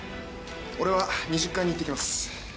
俺は２０階に行ってきます。